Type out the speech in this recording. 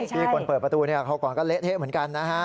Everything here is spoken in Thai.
ที่คนเปิดประตูเขาก่อนก็เละเทะเหมือนกันนะฮะ